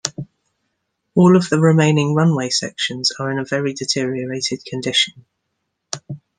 All of the remaining runway sections are in a very deteriorated condition.